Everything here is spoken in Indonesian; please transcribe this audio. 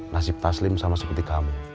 nasib taslim sama seperti kamu